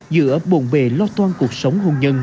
giữa buồn bề lo toan cuộc sống hôn nhân